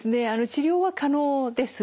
治療は可能です。